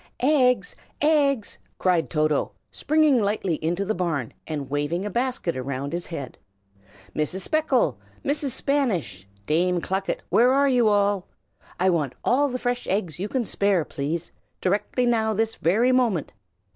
"EGGS! eggs!" cried Toto, springing lightly into the barn, and waving a basket round his head. "Mrs. Speckle, Mrs. Spanish, Dame Clucket, where are you all? I want all the fresh eggs you can spare, please! directly now this very moment!"